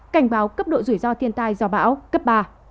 cảnh báo cấp độ rủi ro thiên tai do bão cấp ba